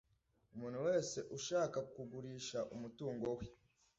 Umuntu wese ushaka kugurisha umutungo we